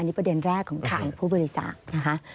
อันนี้ประเด็นแรกของผู้บริจาคนะคะ